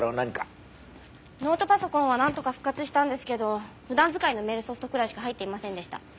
ノートパソコンはなんとか復活したんですけど普段使いのメールソフトくらいしか入っていませんでした。